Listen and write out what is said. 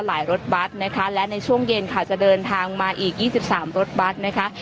รถบัตรนะคะและในช่วงเย็นค่ะจะเดินทางมาอีก๒๓รถบัตรนะคะ